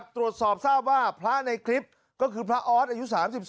ตรวจสอบทราบว่าพระในคลิปก็คือพระออสอายุ๓๒